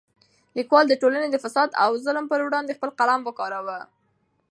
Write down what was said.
لیکوال د ټولنې د فساد او ظلم پر وړاندې خپل قلم وکاراوه.